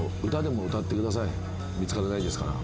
見つからないですから。